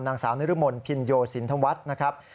นางสาวนรมนพินโยสินธวัฒน์นะครับ